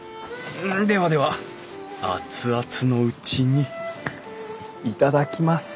ではでは熱々のうちに頂きます。